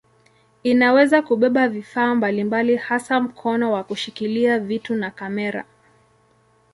Inaweza kubeba vifaa mbalimbali hasa mkono wa kushikilia vitu na kamera.